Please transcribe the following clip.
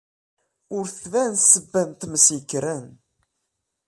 Ur tban ssebba n tmes yekkren.